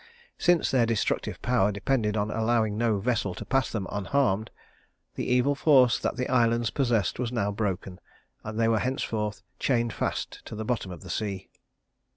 Since their destructive power depended on allowing no vessel to pass them unharmed, the evil force that the islands possessed was now broken, and they were henceforth chained fast to the bottom of the sea.